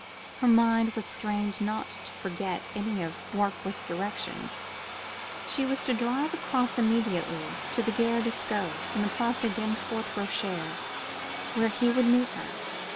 Her mind was strained not to forget any of Warkworth's directions. She was to drive across immediately to the Gare de Sceaux, in the Place Denfert Rochereau, where he would meet her.